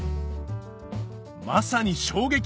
まさに衝撃！